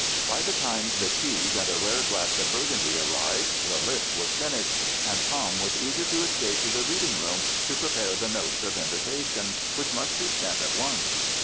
By the time the cheese and a rare glass of Burgundy ar rived the list was finished, and Tom was eager to escape to the rea.ding room to prepare the notes of invitation, which must be sent at once.